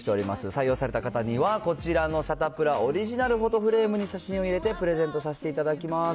採用された方にはこちらのサタプラオリジナルフォトフレームに写真を入れてプレゼントさせていただきます。